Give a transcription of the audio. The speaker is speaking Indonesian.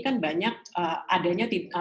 kan banyak adanya